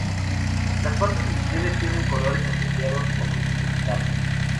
Las cuatro divisiones tienen colores asociados con un significado.